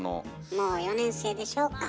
「もう４年生でしょ」か。